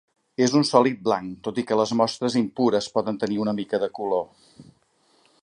És un sòlid blanc, tot i que les mostres impures poden tenir una mica de color.